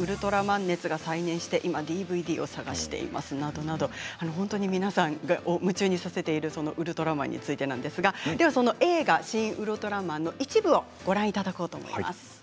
ウルトラマン熱が再燃して、今ＤＶＤを探していますなどなど本当に皆さんを夢中にさせているウルトラマンについてですが映画「シン・ウルトラマン」の一部をご覧いただきます。